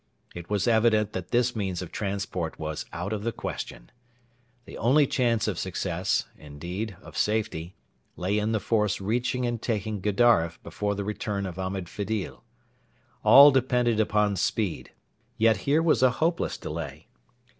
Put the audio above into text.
It was evident that this means of transport was out of the question. The only chance of success indeed, of safety lay in the force reaching and taking Gedaref before the return of Ahmed Fedil. All depended upon speed; yet here was a hopeless delay.